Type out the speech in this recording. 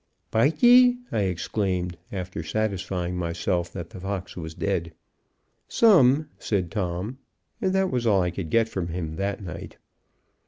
"Bite ye?" I exclaimed, after satisfying myself that the fox was dead. "Some," said Tom; and that was all I could get from him that night.